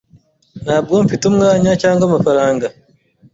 Ntabwo mfite umwanya cyangwa amafaranga.